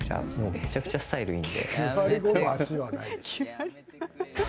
めちゃめちゃスタイルがいい。